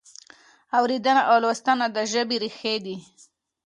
اورېدنه او لوستنه د ژبې ریښې دي.